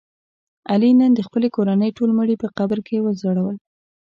علي نن د خپلې کورنۍ ټول مړي په قبر کې ولړزول.